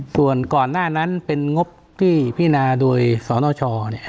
ส่วนก่อนหน้านั้นเป็นงบที่พินาโดยสนช